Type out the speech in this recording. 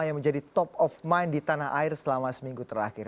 yang menjadi top of mind di tanah air selama seminggu terakhir